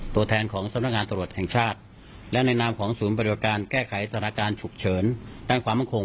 ตัวแทนของสำนักงานตรวจแห่งชาติและในนามของศูนย์บริการแก้ไขสถานการณ์ฉุกเฉินด้านความมั่นคง